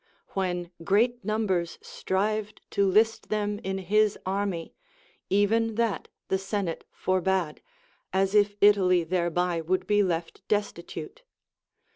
When great numbers strived to list them in his army, even that the senate forbade, as if Italy thereby would be left desti tute.